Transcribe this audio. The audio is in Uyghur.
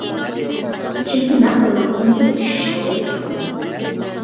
چۈنكى نەق پۇلنىڭ قىممىتى چۈشۈش بولۇپ تۇرىدۇ.